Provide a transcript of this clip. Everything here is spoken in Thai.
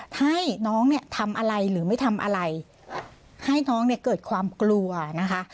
ให้น้องเนี่ยทำอะไรหรือไม่ทำอะไรให้น้องเนี่ยเกิดความกลัวนะคะ